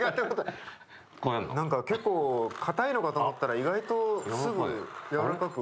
何か結構かたいのかと思ったら意外とすぐやわらかく。